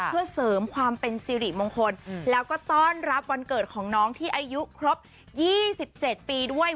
เพื่อเสริมความเป็นสิริมงคลแล้วก็ต้อนรับวันเกิดของน้องที่อายุครบ๒๗ปีด้วย